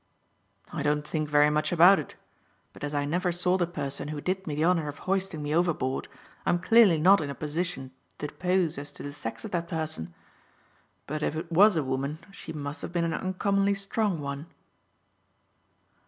"I don't think very much about it; but as I never saw the person who did me the honour of hoisting me overboard, I am clearly not in a position to depose as to the sex of that person. But if it was a woman, she must have been an uncommonly strong one."